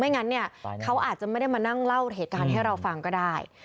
งั้นเนี่ยเขาอาจจะไม่ได้มานั่งเล่าเหตุการณ์ให้เราฟังก็ได้